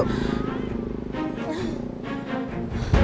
cepetan bu dewi